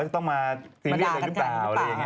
ต้องมาซีเรียสอะไรหรือเปล่า